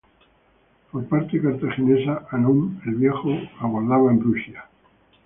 Por parte cartaginesa, Hannón el Viejo aguardaba en Brucia.